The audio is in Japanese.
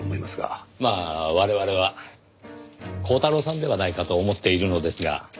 まあ我々は鋼太郎さんではないかと思っているのですが。